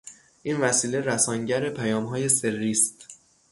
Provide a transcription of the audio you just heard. این وسیله رسانگر پیامهای سری است.